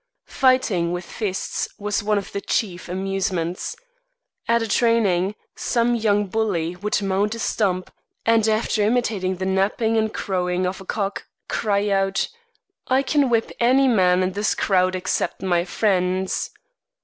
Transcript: Fighting with fists was one of the chief amusements. At a training, some young bully would mount a stump, and after imitating the napping and crowing of a cock, cry out: "I can whip any man in this crowd except my friends."